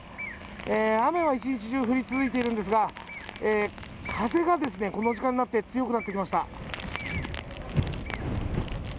雨は１日中降り続いているんですが風がこの時間になって強くなってきました。